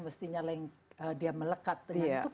mestinya dia melekat dengan itu